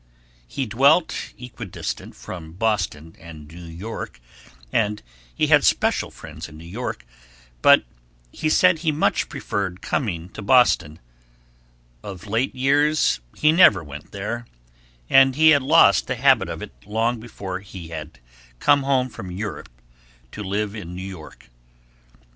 He dwelt equidistant from Boston and New York, and he had special friends in New York, but he said he much preferred coming to Boston; of late years he never went there, and he had lost the habit of it long before he came home from Europe to live in New York.